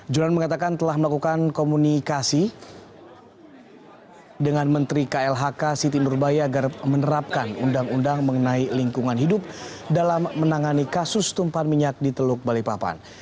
jonan mengatakan telah melakukan komunikasi dengan menteri klhk siti nurbaya agar menerapkan undang undang mengenai lingkungan hidup dalam menangani kasus tumpahan minyak di teluk balikpapan